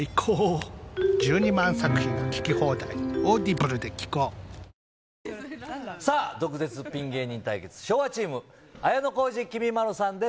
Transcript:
「ブローネ」「ルミエスト」さあ、毒舌ピン芸人対決、昭和チーム、綾小路きみまろさんです。